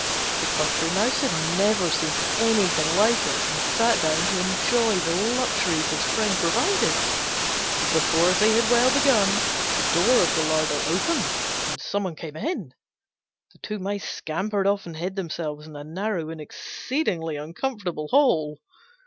The Country Mouse had never seen anything like it, and sat down to enjoy the luxuries his friend provided: but before they had well begun, the door of the larder opened and some one came in. The two Mice scampered off and hid themselves in a narrow and exceedingly uncomfortable hole.